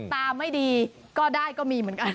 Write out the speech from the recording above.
ตาไม่ดีก็ได้ก็มีเหมือนกัน